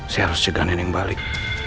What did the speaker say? saya harus jaga nenek balik